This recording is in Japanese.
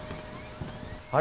あれ？